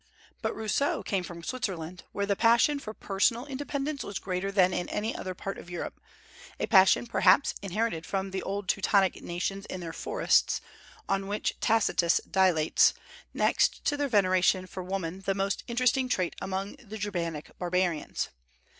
But Rousseau came from Switzerland, where the passion for personal independence was greater than in any other part of Europe, a passion perhaps inherited from the old Teutonic nations in their forests, on which Tacitus dilates, next to their veneration for woman the most interesting trait among the Germanic barbarians.